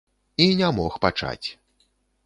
І не мог пачаць.